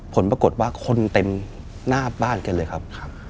ผลปรากฏว่าคนเต็มหน้าบ้านกันเลยครับ